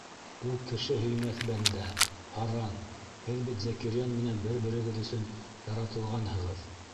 Ул кеше һөймәҫ бәндә, һаран, һеҙ бит Зәкирйән менән бер-берегеҙ өсөн яратылғанһығыҙ.